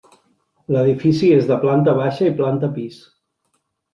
L'edifici és de planta baixa i planta pis.